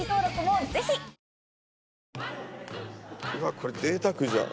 これぜいたくじゃん。